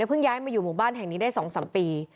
เพิ่งย้ายมาอยู่หมู่บ้านแห่งนี้ได้๒๓ปี